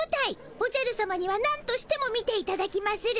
おじゃるさまにはなんとしても見ていただきまする。